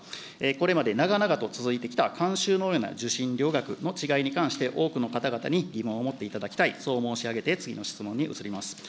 これまで長々と続いてきた慣習のような受信料額の違いに関して、多くの方々に疑問を持っていただきたい、そう申し上げて、次の質問に移ります。